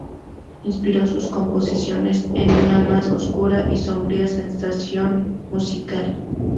Inspiró sus composiciones en una más oscura y sombría sensación musical.